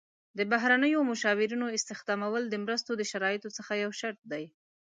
د بهرنیو مشاورینو استخدامول د مرستو د شرایطو څخه یو شرط دی.